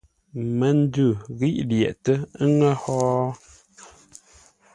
Məndʉ ghí lyəghʼtə́ ə́ ŋə́ hó?